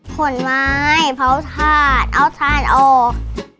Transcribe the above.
ขนไม้เผาถาดเอาถาดออก